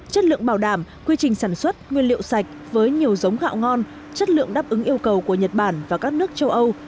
chất lượng bảo đảm quy trình sản xuất nguyên liệu sạch với nhiều giống gạo ngon chất lượng đáp ứng yêu cầu của nhật bản và các nước châu âu